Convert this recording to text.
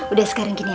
udah sekarang gini aja